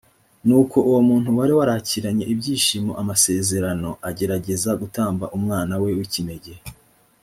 nuko uwo muntu wari warakiranye ibyishimo amasezerano agerageza gutamba umwana we w’ikinege